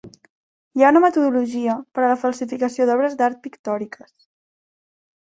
Hi ha una metodologia per a la falsificació d'obres d'art pictòriques.